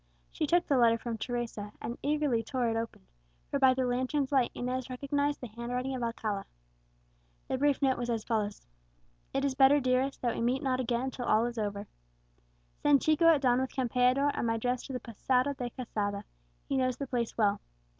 She took the letter from Teresa, and eagerly tore it open; for by the lantern's light Inez recognized the handwriting of Alcala. The brief note was as follows: "It is better, dearest, that we meet not again till all is over. Send Chico at dawn with Campeador and my dress to the Posada de Quesada; he knows the place well.